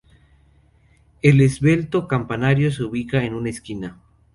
El esbelto campanario se ubica en una esquina.